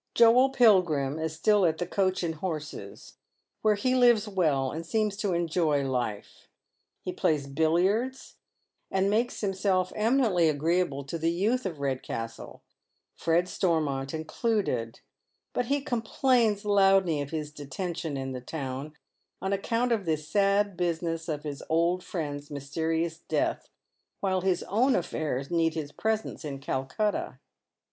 Joel Pilgrim is still at the " Coach and Horses," where he lives well, and seems to enjoy life. He plays billiards and makes him self eminently agreeable to the youth of Eedcastle, Fred Stormont included ; but he complains loudly of his detention in the town, on account of this sad business of his old fiiend's mysterioua death, while his own affairs need his presence in Calcutta.